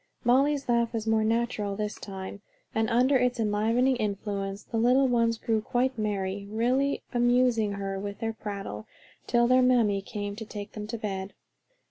Molly's laugh was more natural this time, and under its inspiring influence, the little ones grew quite merry, really amusing her with their prattle, till their mammy came to take them to bed.